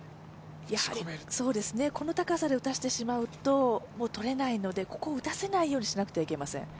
この高さで打たせてしまうともう取れないので、ここを打たせないようにしなくてはいけません。